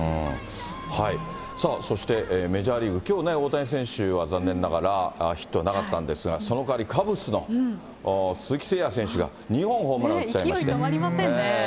そしてメジャーリーグ、きょうね、大谷選手は残念ながらヒットはなかったんですが、そのかわりカブスの鈴木誠也選手が２本ホームラン打っちゃいまし勢い止まりませんね。